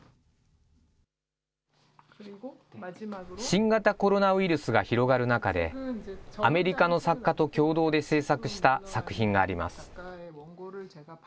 新型コロナウイルスが広がる中で、アメリカの作家と共同で制作した作品があります。